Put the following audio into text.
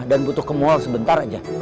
dan butuh kemul sebentar aja